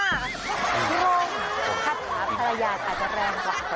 งงคาถาภรรยาอาจจะแรงกว่า